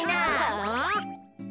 うん？